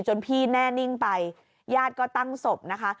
พี่แน่นิ่งไปญาติก็ตั้งศพนะคะ